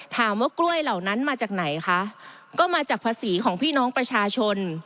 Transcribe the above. ถามว่ากล้วยเหล่านั้นมาจากไหนคะก็มาจากภาษีของพี่น้องประชาชน